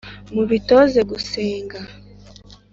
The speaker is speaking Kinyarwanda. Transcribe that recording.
mubitoze gusenga